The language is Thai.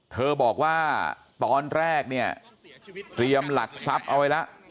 เธอบอกว่าตอนแรกเนี่ยเตรียมหลักทรัพย์เอาไว้แล้ว